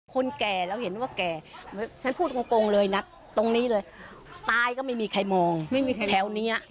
คนแก่เราเห็นว่าแก่ฉันพูดตรงเลยนัดตรงนี้เลยตายก็ไม่มีใครมองไม่มีใครแถวนี้